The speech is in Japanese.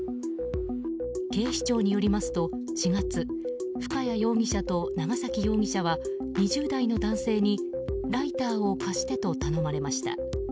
警視庁によりますと４月深谷容疑者と長崎容疑者は２０代の男性にライターを貸してと頼まれました。